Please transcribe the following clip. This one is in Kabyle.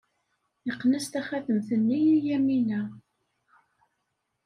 Yeqqen-as taxatemt-nni i Yamina.